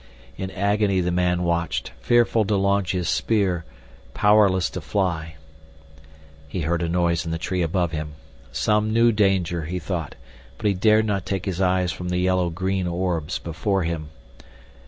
In agony the man watched, fearful to launch his spear, powerless to fly. He heard a noise in the tree above him. Some new danger, he thought, but he dared not take his eyes from the yellow green orbs before him.